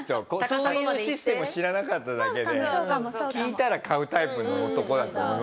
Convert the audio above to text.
そういうシステムを知らなかっただけで聞いたら買うタイプの男だと思いますよ。